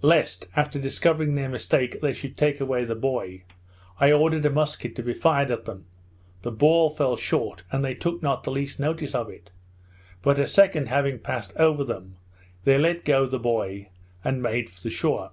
Lest, after discovering their mistake, they should take away the buoy, I ordered a musket to be fired at them; the ball fell short, and they took not the least notice of it; but a second having passed over them, they let go the buoy, and made for the shore.